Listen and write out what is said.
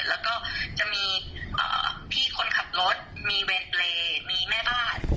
แล้วก็จะมีพี่คนขับรถมีเวรเปรย์มีแม่บ้าน